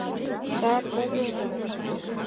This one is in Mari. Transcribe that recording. Сар огыл мо?